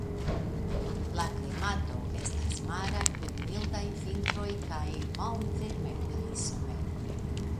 La klimato estas mara kun mildaj vintroj kaj malvarmetaj someroj.